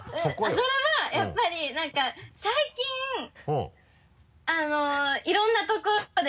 それはやっぱりなんか最近あのいろんなところで。